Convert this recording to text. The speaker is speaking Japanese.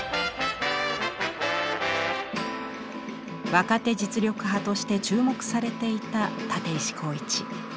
若手実力派として注目されていた立石紘一。